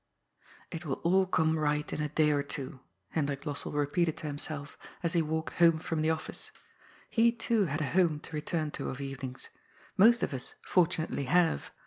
" It will all come right in a day or two," Hendrik Los sell repeated to himself, as he walked home from the Office. He, too, had a home to return to of evenings. Most of us fortunately have.